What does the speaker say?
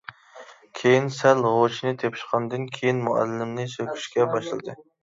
كېيىن، سەل ھوشىنى تېپىشقاندىن كېيىن، مۇئەللىمنى سۆكۈشكە باشلىدى.